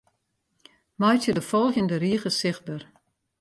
Meitsje de folgjende rige sichtber.